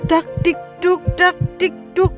dak dik duk dak dik duk